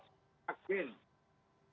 dan kita harus mencari kemampuan